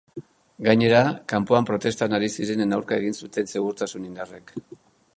Gainera, kanpoan protestan ari zirenen aurka egin zuten segurtasun indarrek.